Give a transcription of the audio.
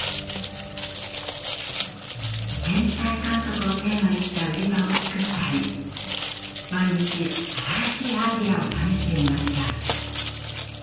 天体観測をテーマにした売り場を作ったり毎日新しいアイデアを試していました。